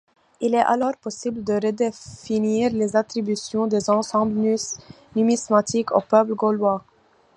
Il est alors possible de redéfinir les attributions des ensembles numismatiques aux peuples gaulois.